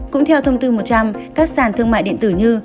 cũng theo thông tư một trăm linh các sàn thương mại điện tử như